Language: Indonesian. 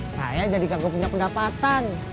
saya jadi kagak punya pendapatan